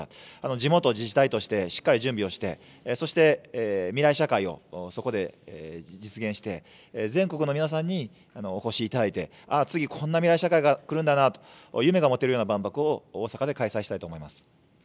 地元自治体として、しっかり準備をして、そして、未来社会をそこで実現して、全国の皆さんにお越しいただいて、ああ、次、こんな未来社会が来るんだなと、夢が持てるような万博を、大阪で開催したいと思います。